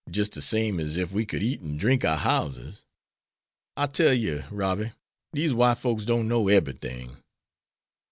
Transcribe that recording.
Jis' de same as ef we could eat an' drink our houses. I tell yer, Robby, dese white folks don't know eberything."